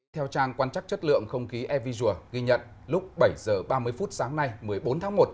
theo trang quan chắc chất lượng không khí airvisual ghi nhận lúc bảy h ba mươi phút sáng nay một mươi bốn tháng một